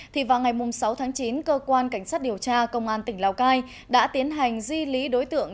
thì vào ngày sáu tháng chín cơ quan cảnh sát điều tra công an tỉnh lào cai đã tiến hành di lý đối tượng